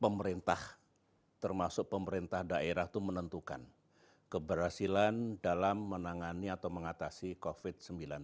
pemerintah termasuk pemerintah daerah itu menentukan keberhasilan dalam menangani atau mengatasi covid sembilan belas